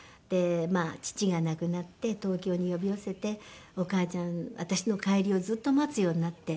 まあ父が亡くなって東京に呼び寄せてお母ちゃん私の帰りをずっと待つようになって。